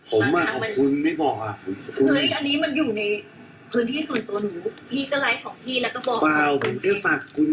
ขอบคุณแฟนกลับคุณ